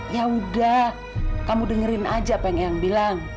yaudah kamu dengerin aja apa yang eyang bilang